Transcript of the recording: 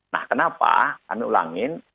nah kenapa kami ulangin